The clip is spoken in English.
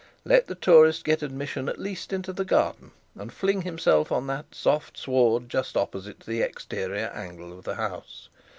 Let the tourist get admission at least into the garden, and fling himself on that soft award just opposite to the exterior angle of the house.